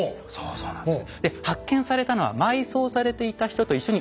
そうなんです。